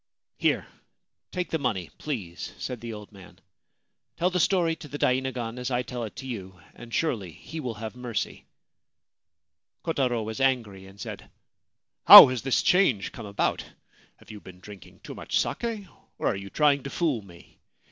' Here ! take the money, please,' said the old man. * Tell the story to the dainagon as I tell it to you, and surely he will have mercy.' 323 Ancient Tales and Folklore of Japan Kotaro was angry, and said :' How has this change come about ? Have you been drinking too much sak6, or are you trying to fool me